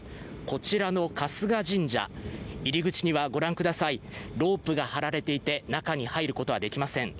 こちらの春日神社、入り口にはロープが張られていて中に入ることができません。